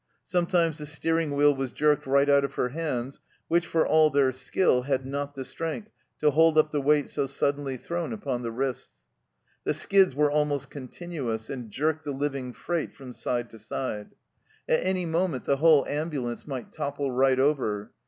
Sometimes the steering wheel was jerked right out of her hands, which, for all their skill, had not the strength to hold up the weight so suddenly thrown upon the wrists. The skids were almost continuous, and jerked the living freight from side to side. At any moment 100 THE CELLAR HOUSE OF PERVYSft the whole ambulance might topple right over.